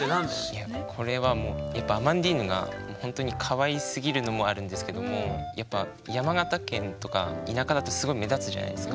いやこれはもうやっぱアマンディーヌがほんとにかわいすぎるのもあるんですけどもやっぱ山形県とか田舎だとすごい目立つじゃないですか。